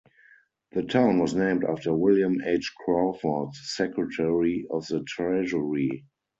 The town was named after William H. Crawford, Secretary of the Treasury.